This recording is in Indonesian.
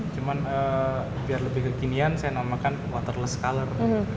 cuman biar lebih kekinian saya namakan waterless color